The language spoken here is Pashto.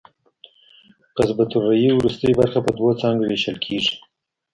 قصبة الریې وروستۍ برخه په دوو څانګو وېشل کېږي.